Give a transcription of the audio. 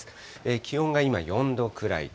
気温が今４度くらい。